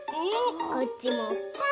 こっちもポン！